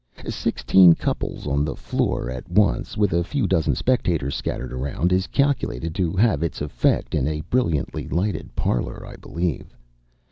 Sixteen couples on the floor at once, with a few dozen spectators scattered around, is calculated to have its effect in a brilliantly lighted parlor, I believe.